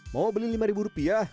mau beli lima rupiah